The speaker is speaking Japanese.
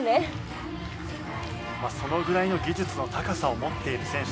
まあそのぐらいの技術の高さを持っている選手です。